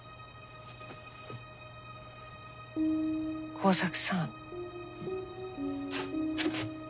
耕作さん。